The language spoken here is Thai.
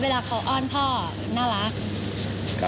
เวลาเขาอ้อนพ่อน่ารัก